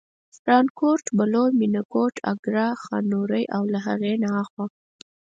ریانکوټ، بلو، مېنه، کوټ، اګره، خانوړی او له هغې نه اخوا.